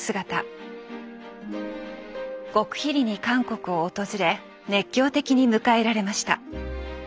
極秘裏に韓国を訪れ熱狂的に迎えられました。